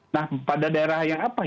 nah pada daerah yang apa